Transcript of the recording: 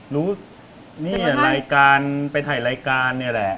รู้นี่รายการไปถ่ายรายการเนี่ยแหละ